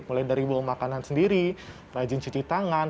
mulai dari bawa makanan sendiri rajin cuci tangan